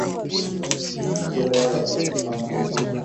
Iwe dawa ya kosa langu